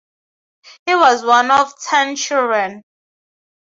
He was one of ten children.